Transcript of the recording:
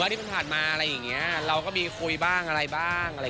สหัวที่เป็นผ่านมาเราก็มีคุยบ้าง